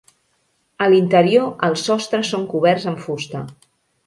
A l'interior els sostres són coberts amb fusta.